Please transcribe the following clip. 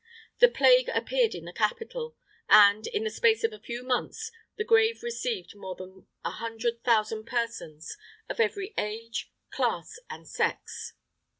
The plague appeared in the capital, and, in the space of a few months, the grave received more than a hundred thousand persons of every age, class, and sex.